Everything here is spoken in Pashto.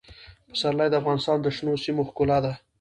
پسرلی د افغانستان د شنو سیمو ښکلا ده.